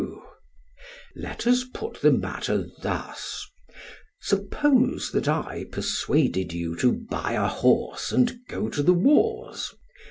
SOCRATES: Let us put the matter thus: Suppose that I persuaded you to buy a horse and go to the wars.